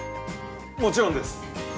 もちろんです。